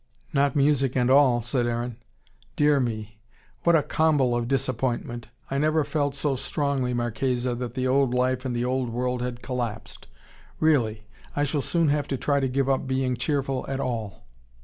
"Not music and all," said Aaron. "Dear me! What a comble of disappointment. I never felt so strongly, Marchesa, that the old life and the old world had collapsed. Really I shall soon have to try to give up being cheerful at all."